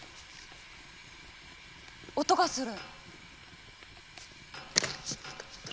音がする。